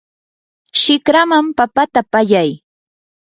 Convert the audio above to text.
shikraman papata pallay.